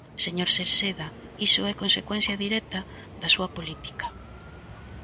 Señor Cerceda, ¡iso é consecuencia directa da súa política!